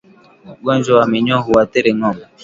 Ugonjwa wa minyoo huathiri ngombe